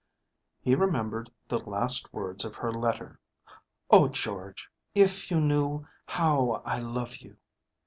He remembered the last words of her letter "Oh, George, if you knew how I love you!"